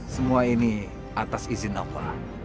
semua ini atas izin allah